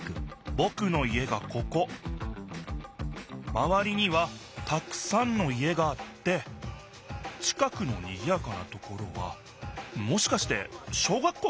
まわりにはたくさんの家があって近くのにぎやかなところはもしかして小学校かな？